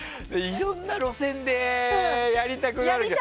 いろんな路線でやりたくなるな。